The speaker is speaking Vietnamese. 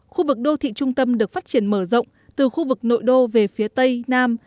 khu vực đô thị trung tâm được phát triển mở rộng từ khu vực nội đô về phía tây nam